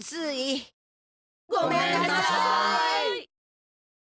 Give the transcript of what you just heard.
ごめんなさい。